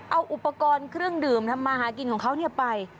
เอาอุปกรณ์เครื่องดื่มทำมาหากินของเขาไป